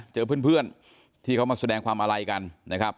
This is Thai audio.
เจอเพื่อนที่เขามาแสดงความอาลัยกันนะครับ